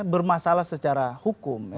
kalau salah secara hukum